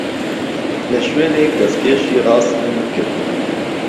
لە شوێنێک دەستکێشی ڕاستم ون کردووە.